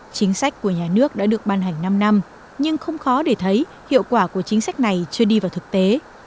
chính sách của nhà nước đã được ban hành năm năm nhưng không khó để thấy hiệu quả của chính sách này chưa đi vào thực tế